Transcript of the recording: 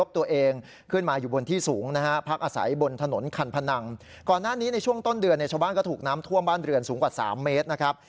ถูกน้ำท่วมบ้านเรือนสูงกว่า๓เมตรนะครับ